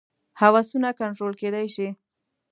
هوسونه کنټرول کېدای شي.